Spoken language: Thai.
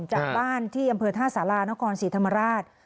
จากบ้านที่อำเภอท่าสารานครศรีธรรมราช